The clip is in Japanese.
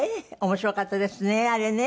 面白かったですねあれね。